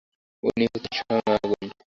উনিই হচ্ছেন স্বয়ং আগুন।